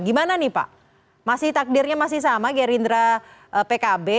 gimana nih pak masih takdirnya masih sama gerindra pkb